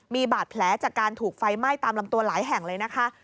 มีบาดแผลจากการถูกไฟไหม้ตามลำตัวหลายแห่งเลยนะคะ